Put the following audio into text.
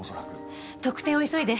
特定を急いで。